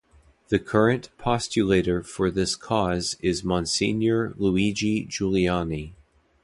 The current postulator for this cause is Monsignor Luigi Giuliani.